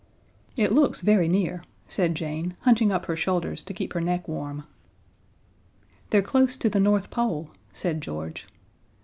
"It looks very near," said Jane, hunching up her shoulders to keep her neck warm. "They're close to the North Pole," said George.